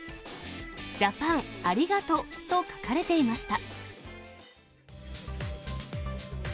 ジャパン、アリガトと書かれていました。